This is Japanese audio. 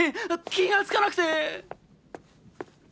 気が付かなくて。